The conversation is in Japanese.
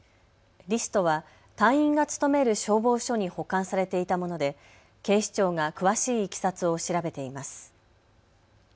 リストは隊員が勤める消防署に保管されていたもので警視庁が詳しいいきさつを調べています。